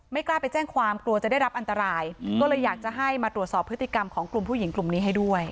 กล้าไปแจ้งความกลัวจะได้รับอันตรายก็เลยอยากจะให้มาตรวจสอบพฤติกรรมของกลุ่มผู้หญิงกลุ่มนี้ให้ด้วย